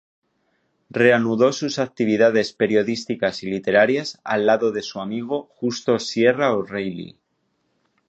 Reanudó sus actividades periodísticas y literarias al lado de su amigo Justo Sierra O'Reilly.